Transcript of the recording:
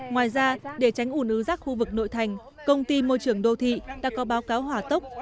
ngoài ra để tránh ủn ứ rác khu vực nội thành công ty môi trường đô thị đã có báo cáo hỏa tốc